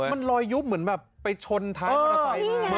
มันลอยยุบเหมือนแบบไปชนท้ายผนศพ